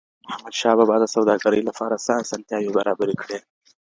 احمد شاه بابا د سوداګرۍ لپاره څه اسانتیاوې برابرې کړې؟